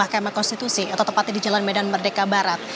mahkamah konstitusi atau tepatnya di jalan medan merdeka barat